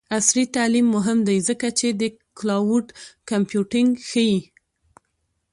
عصري تعلیم مهم دی ځکه چې د کلاؤډ کمپیوټینګ ښيي.